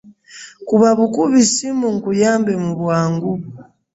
Kuba bukubi ssimu nkuyambe mu bwangu.